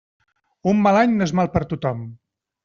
Un mal any no és mal per tothom.